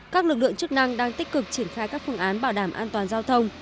các lực lượng chức năng đang tích cực triển khai các phương án bảo đảm an toàn giao thông